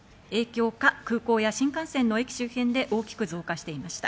空港や新幹線の駅周辺で大きく増加していました。